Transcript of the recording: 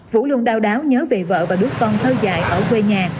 vũ luôn đau đáu nhớ về vợ và đứa con thơ dài ở quê nhà